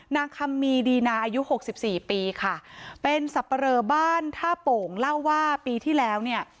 คำมีดีนาอายุหกสิบสี่ปีค่ะเป็นสับปะเรอบ้านท่าโป่งเล่าว่าปีที่แล้วเนี่ย